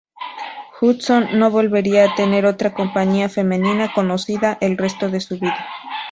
Hudson no volvería a tener otra compañía femenina conocida el resto de su vida.